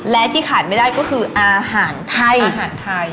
และที่ขาดไม่ได้ก็คืออาหารไทยอาหารไทย